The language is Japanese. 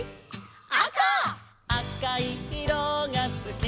「あか」「あかいいろがすき」